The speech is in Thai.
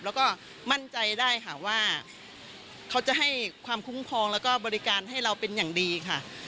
แล้วก็มั่นใจได้ค่ะว่าเขาจะให้ความคุ้มครองแล้วก็บริการให้เราเป็นอย่างดีค่ะ